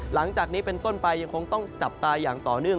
หลังจากนี้เป็นต้นไปยังคงต้องจับตาอย่างต่อเนื่อง